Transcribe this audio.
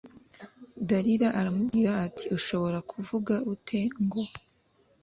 dalila aramubwira ati ushobora kuvuga ute ngo